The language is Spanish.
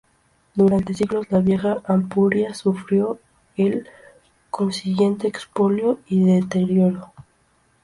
Durante siglos la vieja Ampurias sufrió el consiguiente expolio y deterioro.